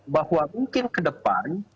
bahwa mungkin ke depan